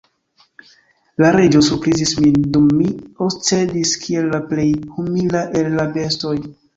La Reĝo surprizis min, dum mi oscedis kiel la plej humila el la bestoj.